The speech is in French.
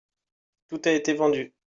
Tout a été vendu.